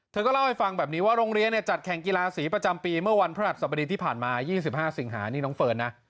เธอก็เล่าให้ฟังแบบนี้ว่าโรงเรียนจัดแข่งกีฬาสีประจำปีเมื่อวันพระหัสสบดีที่ผ่านมา๒๕สิงหานี่น้องเฟิร์นนะ